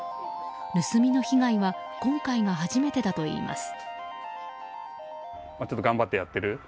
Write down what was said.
盗みの被害は今回が初めてだといいます。